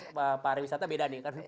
konektifitas pariwisata beda nih